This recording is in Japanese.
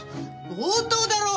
強盗だろう！